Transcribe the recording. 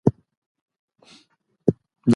غوښه په اندازه خوړل د چاپیریال او روغتیا لپاره مهم دي.